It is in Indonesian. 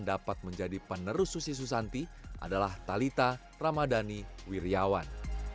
dapat menjadi penerus susi susanti adalah talitha ramadhani wirjawan